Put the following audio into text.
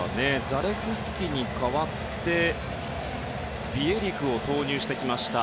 ザレフスキに代わってビエリクを投入してきました。